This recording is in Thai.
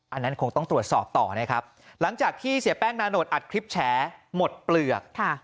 อันนั้นคงต้องตรวจสอบต่อนะครับหลังจากที่เสียแป้งนาโนทอัดคลิปแฉหมดเปลือก